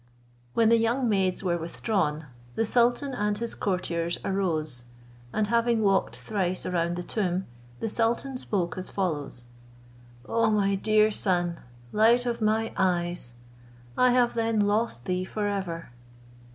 When the young maids were withdrawn, the sultan and his courtiers arose, and having walked thrice around the tomb, the sultan spoke as follows: "O my dear son, light of my eyes, I have then lost thee for ever!"